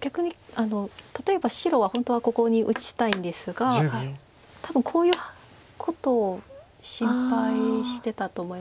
逆に例えば白は本当はここに打ちたいんですが多分こういうことを心配してたと思います。